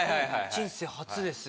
人生初です